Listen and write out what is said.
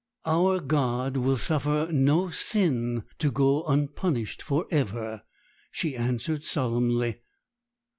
'Our God will suffer no sin to go unpunished for ever,' she answered solemnly.